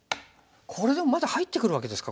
これでもまだ入ってくるわけですか